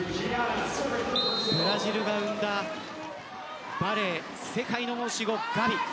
ブラジルが生んだバレー世界の申し子ガビ。